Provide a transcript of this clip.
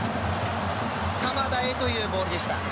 鎌田へ、というボールでした。